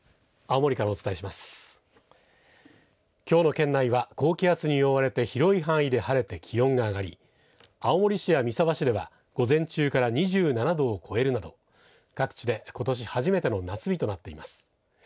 きょうの県内は高気圧に覆われて広い範囲で晴れて気温が上がり青森市や三沢市では午前中から２７度を超えるなど各地でことし初めての夏日となっています。